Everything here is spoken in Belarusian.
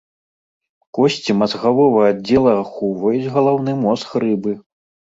Косці мазгавога аддзела ахоўваюць галаўны мозг рыбы.